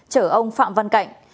chở ông phạm văn cạnh